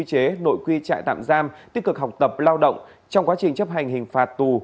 chế nội quy trại tạm giam tích cực học tập lao động trong quá trình chấp hành hình phạt tù